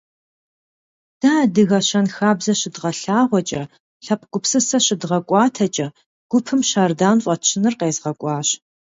Дэ адыгэ щэнхабзэ щыдгъэлъагъуэкӀэ, лъэпкъ гупсысэ щыдгъэкӀуатэкӀэ, гупым «Щэрдан» фӀэтщыныр къезгъэкӀуащ.